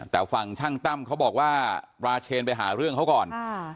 แต่ฝั่งช่างตั้มเขาบอกว่าราเชนไปหาเรื่องเขาก่อน